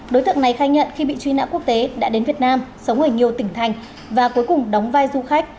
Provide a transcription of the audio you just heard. đối tượng này khai nhận khi bị truy nã quốc tế đã đến việt nam sống ở nhiều tỉnh thành và cuối cùng đóng vai du khách